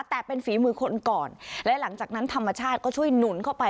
แต่เป็นฝีมือคนก่อนและหลังจากนั้นธรรมชาติก็ช่วยหนุนเข้าไป